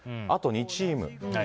あと２チーム。